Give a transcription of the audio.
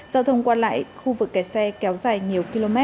giao thông qua lại khu vực kẹt xe kéo dài nhiều km